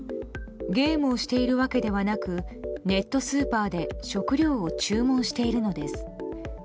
ゲームをしているわけではなくネットスーパーで食料を注文しているのです。